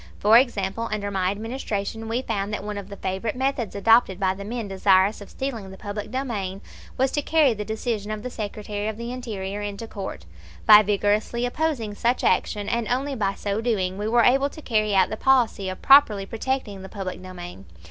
For example, under my Administration we found that one of the favorite methods adopted by the men desirous of stealing the public domain was to carry the decision of the Secretary of the Interior into court. By vigorously opposing such action, and only by so doing, we were able to carry out the policy of properly protecting the public domain.